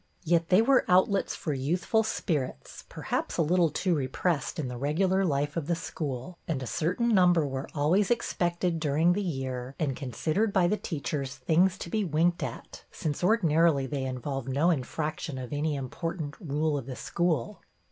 Yet they were outlets for youthful spirits, — perhaps a little too re pressed in the regular life of the school, — and a certain number were always e.xpected during the year and considered by the teachers things to be winked at, since ordi narily they involved no infraction of any important rule of the school.